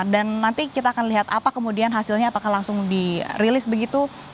dan nanti kita akan lihat apa kemudian hasilnya apakah langsung dirilis begitu